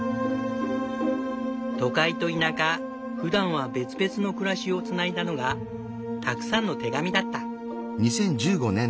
都会と田舎ふだんは別々の暮らしをつないだのがたくさんの手紙だった。